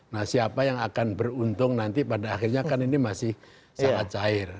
nah siapa yang akan beruntung nanti pada akhirnya kan ini masih sangat cair